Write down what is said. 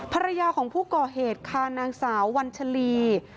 ภรรยาของผู้ก่อเหตุค่ะนางสาววัญชลี